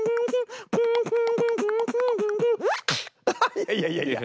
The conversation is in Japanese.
いやいやいやいや！